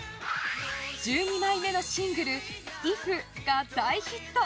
１２枚目のシングル「ｉｆ．．．」が大ヒット。